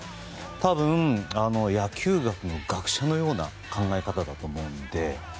多分、野球学の学者のような考え方だと思うので。